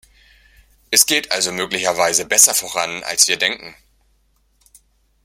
Es geht also möglicherweise besser voran, als wir denken.